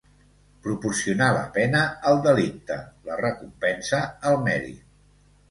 Proporcionar la pena al delicte, la recompensa al mèrit.